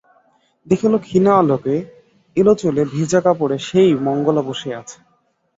দেখিল ক্ষীণ আলোকে, এলোচুলে, ভিজা কাপড়ে সেই মঙ্গলা বসিয়া আছে।